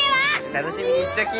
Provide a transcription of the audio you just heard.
楽しみにしちょき！